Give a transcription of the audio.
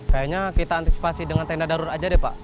kayanya kita antisipasi dengan tenda darur aja deh pak